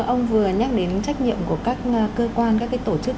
ông vừa nhắc đến trách nhiệm của các cơ quan các tổ chức